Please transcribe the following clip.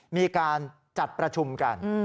มีการจัดประชุมกัน